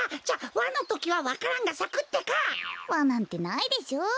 ワなんてないでしょ。